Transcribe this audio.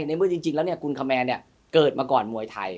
ในเมื่อจริงแล้วเนี่ยกุลเขมรเนี่ยเกิดมาก่อนมวยไทย